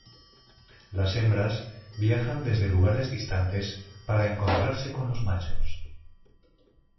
Las hembras viajan desde lugares distantes, para encontrarse con los machos.